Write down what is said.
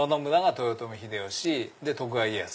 豊臣秀吉徳川家康。